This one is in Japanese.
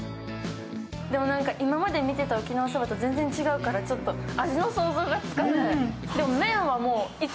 でも、今まで見てた沖縄そばと全然違うから味の想像がつかない。